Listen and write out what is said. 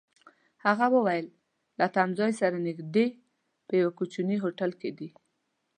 هغه وویل: له تمځای سره نژدې، په یوه کوچني هوټل کي دي.